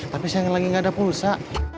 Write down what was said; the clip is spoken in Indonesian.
tapi sekarang lagi gak ada pulsa